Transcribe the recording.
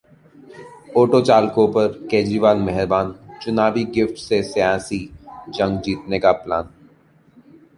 auto चालकों पर केजरीवाल मेहरबान, चुनावी गिफ्ट से सियासी जंग जीतने का प्लान